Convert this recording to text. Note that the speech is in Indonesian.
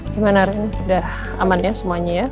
gimana udah aman ya semuanya ya